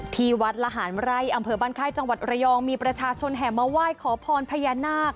ที่วัดละหารไร่อำเภอบ้านค่ายจังหวัดระยองมีประชาชนแห่มาไหว้ขอพรพญานาค